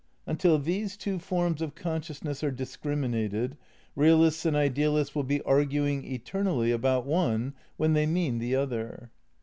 Until these two forms of consciousness are discriminated, realists and ideal ists will be arguing eternally about one when they mean the other.